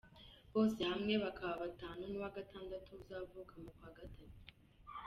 Bose hamwe bakaba batanu, n’uwa gatandatu uzavuka mu kwa gatatu.